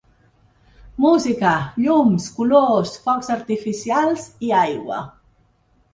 Música, llums, colors, focs artificials i aigua.